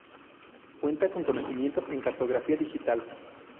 Cuenta con conocimientos en cartografía digital.